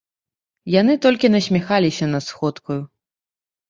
Яны толькі насміхаліся над сходкаю.